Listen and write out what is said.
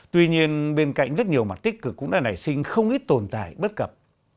tuy nhiên bên cạnh rất nhiều mặt tích cực cũng đã nảy sinh không ít tồn tại bất cập